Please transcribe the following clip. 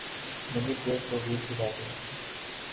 منی trail تو دور کی بات ہے۔